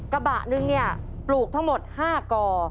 กระบะนึงเนี่ยปลูกทั้งหมด๕ก่อ